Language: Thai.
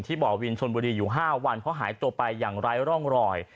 ที่บ่อวิรินทรย์ชนบุรีอยู่ห้าวันเพราะหายตัวไปอย่างไร้ร่องรอย